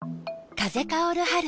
風薫る春。